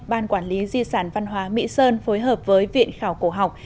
ban quản lý di sản văn hóa mỹ sơn phối hợp với viện khảo cổ học